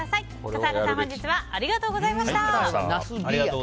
笠原さん、本日はありがとうございました。